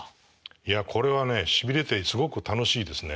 いやこれはねしびれてすごく楽しいですね。